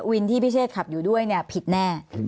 วินที่พี่เชฟขับอยู่ด้วยผิดแน่